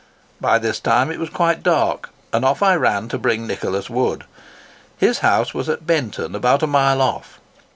By this time it was quite dark; and off I ran to bring Nicholas Wood. His house was at Benton, about a mile off.